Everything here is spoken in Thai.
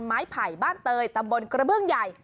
ไผ่บ้านเตยตำบลกระเบื้องใหญ่